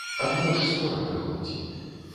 Адно ж скора прыходзь.